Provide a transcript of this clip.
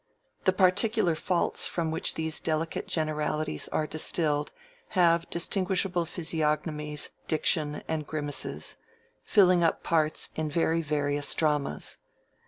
The particular faults from which these delicate generalities are distilled have distinguishable physiognomies, diction, accent, and grimaces; filling up parts in very various dramas.